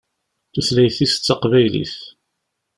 Tutlayt-is d taqbaylit.